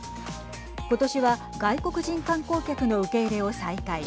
今年は外国人観光客の受け入れを再開。